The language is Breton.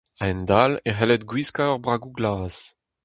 A-hend-all e c'hellit gwiskañ ur bragoù glas.